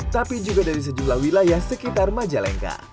tapi juga dari sejumlah wilayah sekitar majalengka